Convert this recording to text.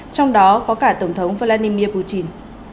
trong đó có cả tổng thống vladimir putin